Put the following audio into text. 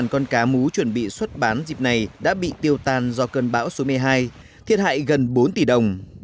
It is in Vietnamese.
một mươi con cá mú chuẩn bị xuất bán dịp này đã bị tiêu tan do cơn bão số một mươi hai thiệt hại gần bốn tỷ đồng